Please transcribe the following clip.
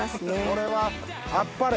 これはあっぱれ！